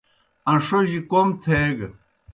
اݩݜوجیْ کوْم تھیگہ۔